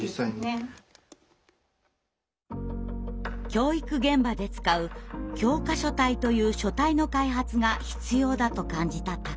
教育現場で使う教科書体という書体の開発が必要だと感じた高田さん。